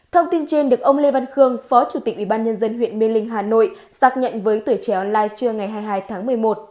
thông tin trên được ông lê văn khương phó chủ tịch ubnd huyện mê linh hà nội xác nhận với tuổi trẻ online trưa ngày hai mươi hai tháng một mươi một